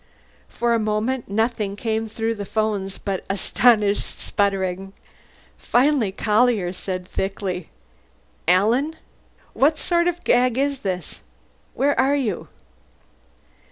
For a moment nothing came through the phones but astonished sputtering. Finally Collier said thickly, "Alan? What sort of gag is this? Where are you?"